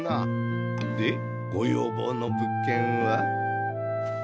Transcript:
でご要望の物件は？